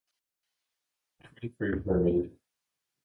Twenty-three were made.